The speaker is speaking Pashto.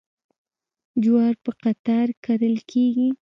جوار په قطار کرل کیږي.